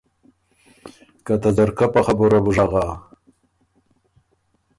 که ته ځرکۀ په خبُرئ بُو ژغا۔